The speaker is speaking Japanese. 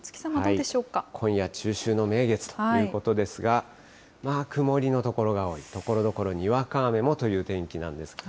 今夜、中秋の名月ということですが、まあ曇りの所が多い、ところどころにわか雨もという天気なんです。